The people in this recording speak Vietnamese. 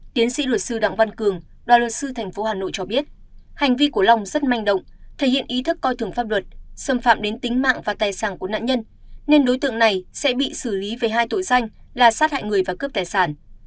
tiến sĩ luật sư đặng văn cường đoàn luật sư tp hà nội cho biết hành vi của long rất manh động thể hiện ý thức coi thường pháp luật xâm phạm đến tính mạng và tài sản của nạn nhân nên đối tượng này sẽ bị xử lý về hai tội danh là sát hại người và cướp tài sản